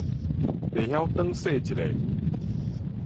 袂曉轉踅一下！